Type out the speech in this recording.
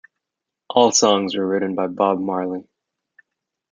All songs written by Bob Marley.